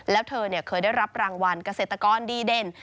แล้วเธอเคยได้รับรางวัลเกษตรกรดีเด่น